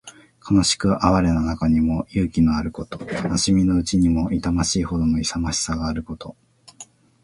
悲しく哀れな中にも意気のあること。悲しみのうちにも痛ましいほどの勇ましさのあること。